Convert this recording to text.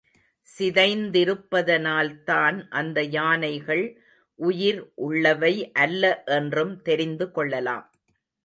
சிதைந்திருப்பதினால்தான் அந்த யானைகள் உயிர் உள்ளவை அல்ல என்றும் தெரிந்து கொள்ளலாம்.